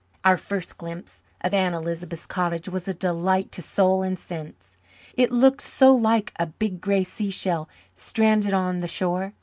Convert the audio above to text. Our first glimpse of Aunt Elizabeth's cottage was a delight to soul and sense; it looked so like a big grey seashell stranded on the shore.